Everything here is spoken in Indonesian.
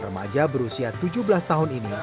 remaja berusia tujuh belas tahun ini